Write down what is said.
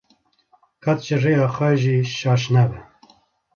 qet ji rêya xwe jî şaş nebe.